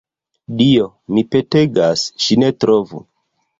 Dio, mi petegas, ŝi ne trovu!